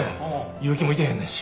結城もいてへんねんし。